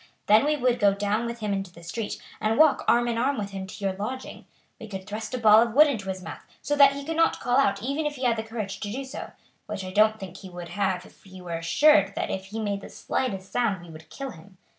Then we would go down with him into the street and walk arm in arm with him to your lodging. We could thrust a ball of wood into his mouth so that he could not call out even if he had the courage to do so, which I don't think he would have if he were assured that if he made the slightest sound we would kill him.